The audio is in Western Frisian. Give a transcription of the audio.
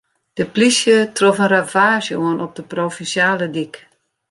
De polysje trof in ravaazje oan op de provinsjale dyk.